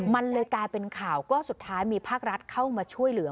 มันเลยกลายเป็นข่าวก็สุดท้ายมีภาครัฐเข้ามาช่วยเหลือ